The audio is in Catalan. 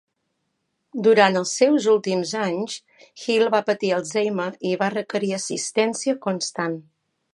Durant els seus últims anys, Hill va patir Alzheimer i va requerir assistència constant.